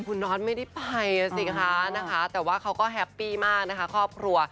คุณนอทไม่ได้ไปสิคะนะคะแต่ว่าเขาก็แฮปปี้มากนะคะครอบครัว